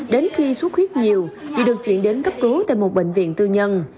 đến khi suốt huyết nhiều chị được chuyển đến cấp cứu tại một bệnh viện tư nhân